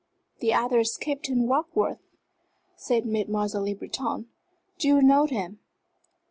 "The other is Captain Warkworth," said Mademoiselle Le Breton. "Do you know him?"